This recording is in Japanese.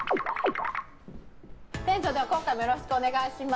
店長、今回もよろしくお願いします。